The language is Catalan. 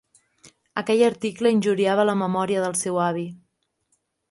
Aquell article injuriava la memòria del seu avi.